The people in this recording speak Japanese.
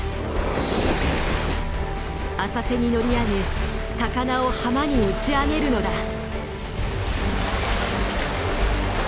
浅瀬に乗り上げ魚を浜に打ち上げるのだ。